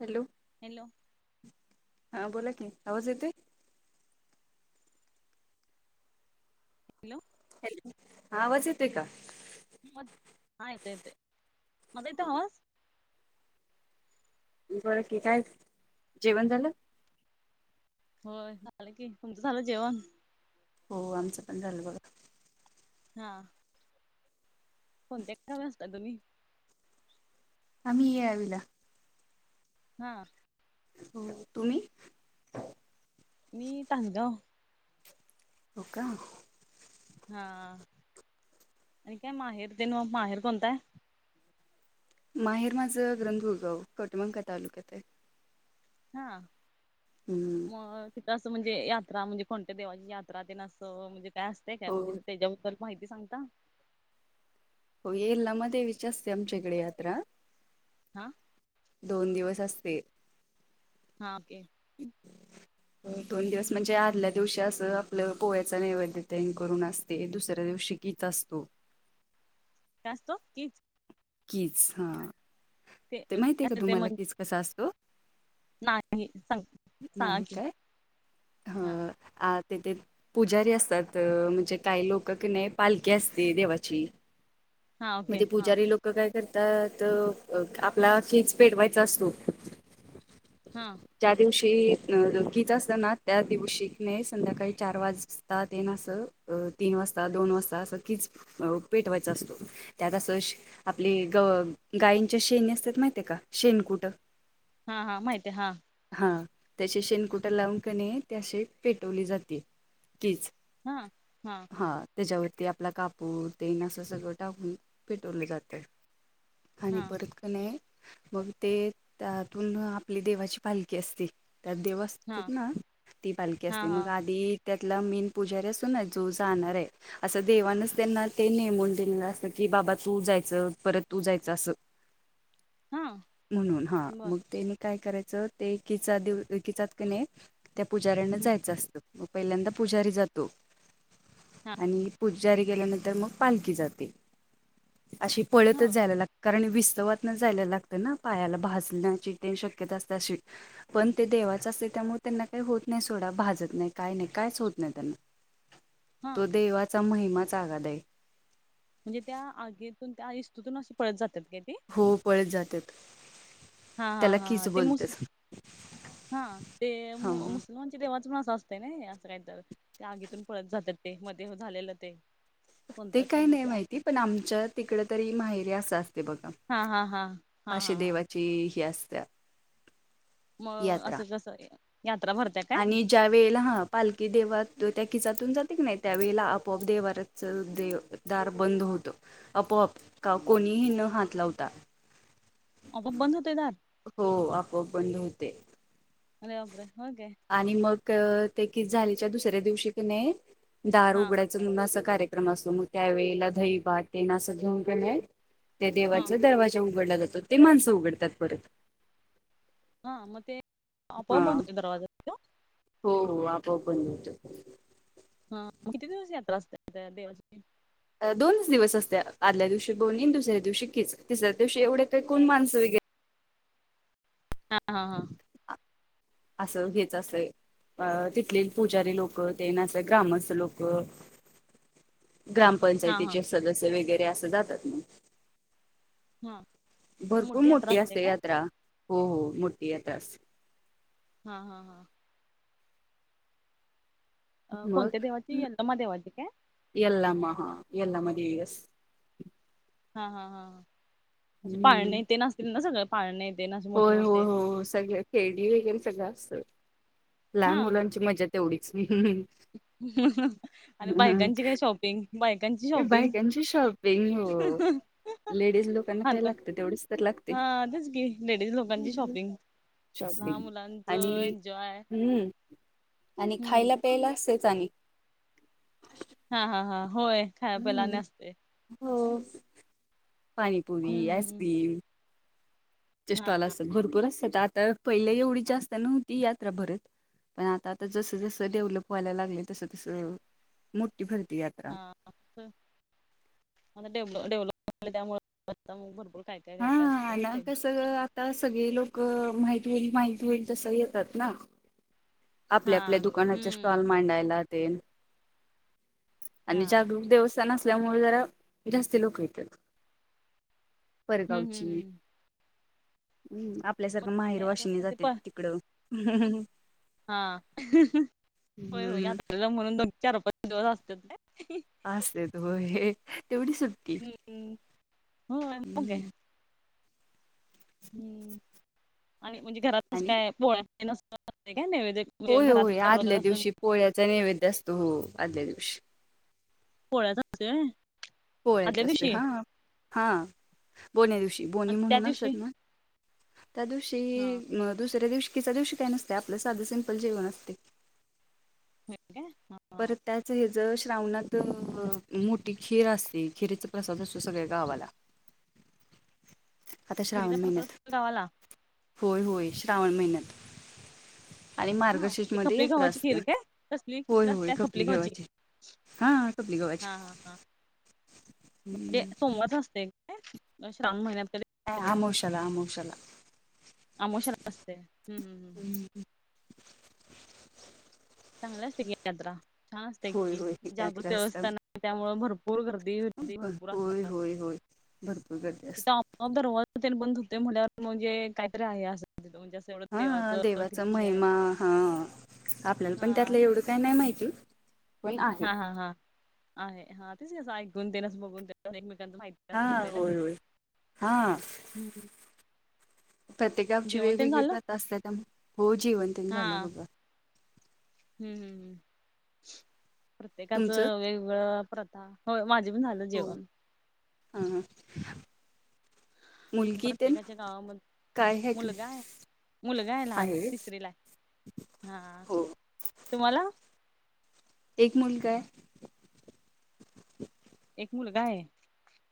Hello hello हा बोला की आवाज येते. हॅलो हॅलो हा आवाज येतेय का? म ययतयते मदयत हवा बरं की काय जेवण झालं होय झालं की तुमचं झालं जेवण हो आमचं पण झालं बघा हा कोणत्याक् असता तुम्ही आम्ही ये यावी ला हा हो तुम्ही मी तासगाव हो का? हा आणि काय माहेर देन माहेर कोणता हाय? माहेर माझं ग्रंथभूळगाव कटमंका तालुक्यात आहे. हा हम्म मग तिथं असं म्हणजे यात्रा म्हणजे कोणत्या देवाची यात्रा ते असं म्हणजे काय असतेय काय हो म्हणजे त्याच्याबद्दल. माहिती सांगता. हो येलमा देवीची असते आमच्याकडे यात्रा. आ. दोन दिवस असते. हां ओके. दोन दिवस म्हणजे आदल्या दिवशी असं आपलं पोहा्याच नैवद्येत करून असते दुसऱ्या दिवशी.. कीच असतो. काय असतो? [unintelligible] किज हा ते काय माहिती आहे का असतं ते तुम्हाला म्हण किच कसां अस असतो? नाही सांग. सांगा नाही की काय हा ह तेथ.. पुजारी असतात म्हणजे काही लोक क नाही पालखी असते देवाची हा ओके मध्ये हा पूजारी लोक लक काय करतात आपला खीज पेटवायचा असतो. हा. ज्या दिवशी किज असत ना त्या दिवशी न संध्याकाळी चार वाज तात ना असं अ तीन वाजता दोन वाजता असं कीच पेटवायचा असतो. त्यात असं आपली ग गायींच्या शेणी असतात माहििते का शेण कुठं. हा हा माहिती आहे हा. हा त्याचे शेणकुटा लावून कने त्या शे पेटवली जाते कीच. हा हा. हा त्याच्यावरती आपला कापू तेन असं सगळं टाकून पेटवलं जातय. आणि हा परत क नाही मग ते त्यातून आपली देवाची पालखी असते त्यात देव असते हा ना ती पालखी हा असते हा मग आधी त्यातला मीन पुजारी असून जो जाणार आहे असं देवानच त्यांना ते नेमून दिलेलं असत की बाबा तू जायचं परत तू जायचं असं. हा रिकामा ऑडिओ म्हणून हा बर मग त्यांनी काय करायचं तेचा किचत देव किचात कीं नाही त्या पुजाऱ्यांना हं, जायचं असतं मग पहिल्यांदा पुजारी जातो. हा आणि पूज जारी केल्यानंतर मग पालखी जाते अशी... हा पळतच जायला लागत कारण विस्तवातन जायला लागतं ना पायाला भाजण्याची ते शक्यता असते अशी. पण ते देवाच असते त्यामुळे त्यांना काही होत नाही सोडा भाजत नाही काही नाही कायच होत नाही त्यांना. हा तो देवाचा महिमाचा आघाद आहे. म्हणजे त्या आगीतून त्या इस्तूतून असशी पळत जातात काय ते? होऊ पळत जातात. हा हा त्याला हा कीच हा ते मुस बोलतेच हा ते हा मु मुसलमान... देवाचं असं असतंय ना असं काय तर तें अगीतून पळत जात्यात तें मध्ये झालेलं तें. ते काय नाही माहिती पण आमच्या तिकड तरी माहेरी असं असते बघा. हा हा हा हा हा हा. ज ह असत. मग असं जस यात्रा भरते आणि... ज्या वेळेला हा पालखी देवात त्या खिचातून जाते की नाही त्यावेळेला आपोआप देवारच देव... दार बंद होत आपोआप का कोणीही न हात लावता. अगप बंद होतय दार? हो आपोआप बंद होते. अरे बापरे हो काय? आणि मग ते किच झालीच्या दुसऱ्या दिवशी त नाही दार हा उघडा च अस कार्यक्रम असतो मग त्यावेेळेला दईबाट ते ना असं घेऊन घेणे त्या हा देवाचा दरवाजा उघडला जातो ते माणसं उघडतात परत हा मे पा प हा बंद दरवाज हो हो आपोपण हा किती दिवस यात्रा असत देवाची दोनच दिवस असत्या आदल्या दिवशी बोनी दुसऱ्या दिवशी कीच तिसऱ्या दिवशी एवढे काही कोण माणसं वगैरे हा हा हा असं घ्याच असय अ तिथले पुजारी लोकं ते ना असं ग्रामस्थ लोक हा हा ग्रामपंचायतीचे सदस्य वगैरे असं जातात ना हा मग भरपूर यात्रा मोठी असते काय यात्रा हो हो मोठी यात्रा असते हा हा हा अ कोणत्या देवाची यलमा देवाची काय एल्लमा हा येल्लमा दिव य हा हा हा पाळणे हम्म येते नसतील ना सगळं पाळ नाही येते नाे मोठे होय होय मोठे हो सगळ खेळडी वगैर सगळं असत हा लहान मुलांची मजा तेवढीच आणि बायकांची काय शॉपिंग बाईकांची शॉपिंग बायकांची शॉपिंग हो लेडीज लोकांना ह काय ना लागतं तेवढीच तर लागते हा आधच की लेडीज लोकाची शॉपिंग हहा शॉपिंग मुलांचं आणि एन्जॉय हम्म आणि हम्म खायला प्यायला असेच आणि हा हा हा होय खाय पला हम्म नसते हो पाणीपुरी हम्म हम्म हम्म. आईस्क्रीम हा स्टॉल असत भरपूर असतात आता पहिल्या एवढी ज असतना होती यात्रा भरत पण आता आता जसं जसं डेव्हलप व्हायला लागले तस तसं मोठी भरती हा आताडेवल डेव्हलप झा त्यामुळे आता मग भरपूर काय काय काय हा काय असते ना आणि ते कसं आता सगळे लोक माहिती होईल माहिती होईल तसं येतात ना हा आपल्या आपल्या दुकानाचे स्टॉल हम्म मांडायला ते हा आणि जागरूक देवस् नसल्यामुळे जरा जास्त लोक येतात हम्म हम्म पररगावची हम्म हम् आपल्यासारखं माहेर ते वाशिनी आता ते जाते प तिकडं हा होय होय हम्म यात्रेला म्हणून दोन चार पाच दिवस असत ना असेत हो हे तेवढी सुद्धा हम्म हग हम्म. हम्म आणि म्हणजे घरातस आणि काय पोळ्या का नैवेद्य म्हणजे होय घरात होय काय आदल्या बनवतात असं दिवशी पोळ्याचा नैवेद्य असतो हो आदल्या दिवशी पोळ्याचांचेय पोळ्यात असते हा हा बोण्या दिवशी बोनी आणि त्या दिवशी म्हणूनतत्ञ त्या हा दिवशी दुसऱ्या दिवशीच्या दिवशी काय नसते आपलं साधं सिंपल जेवण असते [unintelligible] परत त्याच हे ज श्रावणात मोटी खीर असते खिरीचा प्रसाद असतो सगळ्या गावाला [unintelligible] आता खिरीचा श्रावण प्रसाद महिन्यात असतो गावाला होय होय श्रावण महिन्यात आणि हा मार्गशीर्ष ते मदी खपली यात्रा गव्हाची असते खीर [unintelligible] वय होय खपली गव्हाची हा खपली गव्हाची हा हम्म सोमवरच असतय श्रावण महिन्यात आमोशाला आमोशाला आमोश असतय हम्म्म हम् हम्म, चांगलं असते की यात्रा छान असते होय की होय जागृत यात्रा असता व्यवस्था त्यामु भरपूर पुरग दव देव पु अस होय होय होय भरपूर गरजे असते ऑफ पण म्हवर म्हणजे काहीतरी आहे अस म्हणजे एवढं हा देवाचं देवाचा किती हे आहे महिमा हा आपल्याला पण हा त्यातलं एवढं काय नाही माहिती पण आहे हा हा हा आहे हा तेसचसं ऐकून ते नस बघून एकमेकांच माहि हा होतय ना ते होय होय हा प्रत्येकाची जेवण तेन वेगवेगळी झालं प्रता असल्या त्यामुळ हो जेवंत तेन हा झालं बगा हम्म हम् तुमचं प्रत्येकाचं वेगवेगळं प्र्य होय माझे पण झालं जेवण हम्म मुलगी तेन प्रत्येकाच्या गावामध्ये काय हाय का मुलगा आहे मुलगा आय लहान आहे तिसरीलाय हो तुम्हाला एक मुलगा आय एक मुलगा आहे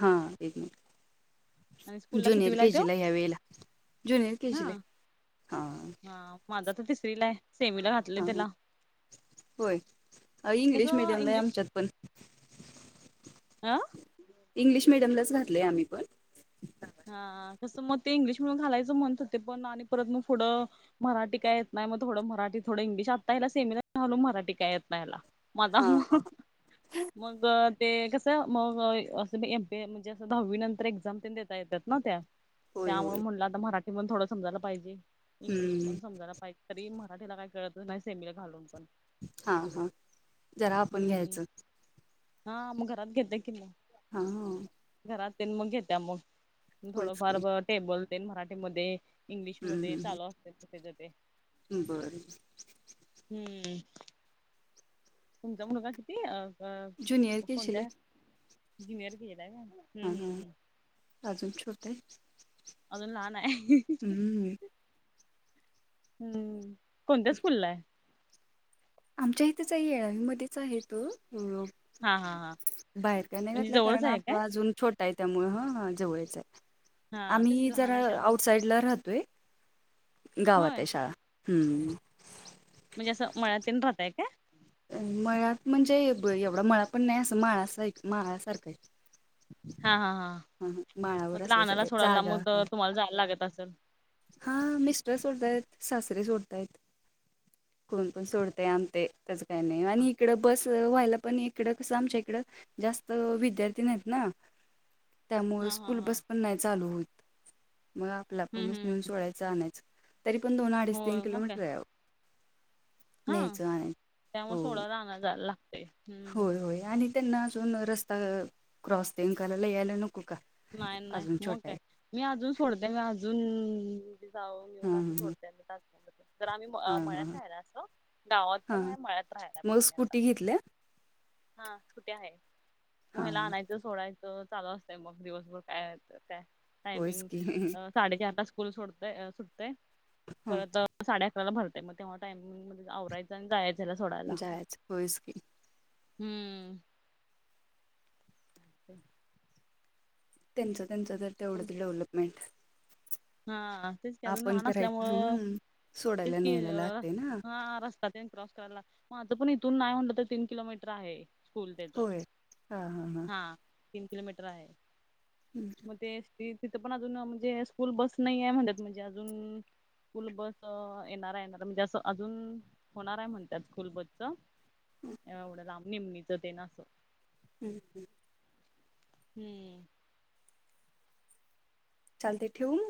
हां एक मिनट आणि स्कूलला जुनियर कितवीला के आहे तो? जीला ह्या वेळेला जुनियर हा केजीलाय हा माझा तर तिसरीलाय सेमीला घातलंय हा ह त्याला होय इंग्लिश कसं मिडियमलाय इंग्लिश आमच्यात पण आ इंग्लिश मिडियमलाच घातलय आम्ही पण हा कसं मग ते इंग्लिश मणून घालायचं म्हणत होते पण आणि परत मग पुढं मराटी काय येत नाइ मग थोडं मराठी थोडं इंग्लिश आत्ता हला सेमिन घालून मराठी काय येत नाही हला माझा हा म हा मग ते कसं मग असं एम बी म्हणजे अस दहावी नंतर एक्झाम देता येतात ना त्या होय त्यामुळ होय म्हटलं आता मराटी मण थोडं समजायला पाइजे इंग्लिश हम्म मण समजायला पाइ तरी मराठीला काय कळतच नाय सेमीला घालून पण हा हा जरा आपण हम्म घ्यायचं हा मग घरात घेते किन हा घरात तेन म घेत्या मग होयच थोडंफार की टेबल ते मराठीमध्ये इंग्लिशमध्येध्ये हम्म चालू असतेच्या ते बरं हम्म तुमचा मुण का किती अ ज्युनियर केशीला कोणत्या आहे जुनियर गला का ह अजूनच्या ते अजून लहान आय हम्म कोणत्या स्कूललाय आमच्या इथेच आहे येळावीमध्येच आहे हा हा हा बाहेर का नाइ म्हणजे घातलंय जवळच कारण आहे आप काय अजून छोटा आहे त्यामुळे ह जवळचं आहे हा तेच की आम्ही लहान जरा आहे त्यामुळे आउटसाइडला राहतोय गावात होय आहे शाळा हम्म म्हणजे असं मळ्या तन राहतय का मळ्या म्हणजे एवढा मळा पण नाही असं माळ माळ्याासारखा आहे हा हा हा मग माळावर तला असलं आणायला सगळे सोडायला ला जागा मग तुम्हाला जायला लागत असेल हा मिस्टर सोडतायत सासरे सोडतायत कोण पण सोडतय आमते त्याचं काही नाही आणि इकडं बस व्हायला पण इकडं कसं आमच्या इकडं जास्त विद्यार्थी नाहीत ना त्यामुळे हा हा स्कूल हा बस पण नाही चालू होत मग आपल्या हम्म पणच हम्म नेऊन सोडायच यच तरी पण दोन अडीच तीन होय मग काय किलोमीटर यां हा त्यामुळ हो सोडायला आणायला जायला लागतेय होय होय आणि त्यांना अजून रस्ता क्रॉस तेन करायला यायला नको का नाई नाई अजून मक छोटा काय आहे मी अजून सोडते मी अजून जाऊन घेऊन असं हा सोडते जर आम्ही हा हा हा मळ्यात हा राहायला असो गावात पण हा आहे मळ्यात राहायला पण मग आम्ही आता स्कुटी घेतल्या हा कुठे आहे हा मुला आणायचं सोडायचं चालू असतंय मग दिवसभर काय त्या होयच टायमिंग की साडेचारट स्कूल सोडते सुटते हा परत साडे अकराला भरताय मग तेव्हा टाइमिंगमध्ये आवराय आणि जायचं याला सोडाय जायच होसकी हम्म ते त्यांचं त्यांचं तर तेवढंच डेवलपमेंट हा तेच की अजून लहान करायचं असल्यामुळं हम्म तेच सोडायला की न्यायला लागते ना हा रस्तात क्रॉस करायला मग आता पण इथून नाही म्हणलं तर तीन किलोमीटर आहे स्कूल देतो होय हा हा हा हां तीन किलोमीटर आहे हम् मग ते तिथं पण अजून म्हणजे स्कूल बस नाही आहे म्हणतात म्हणजे अजून स्कूल बस येणार येणार म्हणजे असं अजून होणार आहे म्हणतात स्कूल बसच एवढं रामनमणीच ते ना असो हं ह हम्म चालते ठेवून